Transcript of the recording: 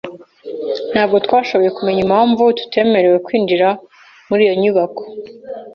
Ntabwo twashoboye kumenya impamvu tutemerewe kwinjira muri iyo nyubako.